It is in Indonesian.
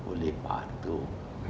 oleh pak arthur